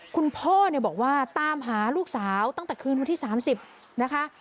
คุณพ่อเนี่ยบอกว่าตามหาลูกสาวตั้งแต่คืนวันที่๓๐นะคะ